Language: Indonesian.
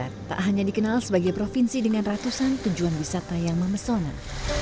islam ini hanya dikenal sebagai provinsi dengan ratusan tujuan wisata yang memesonan